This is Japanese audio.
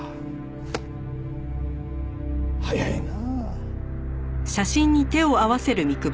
早いな。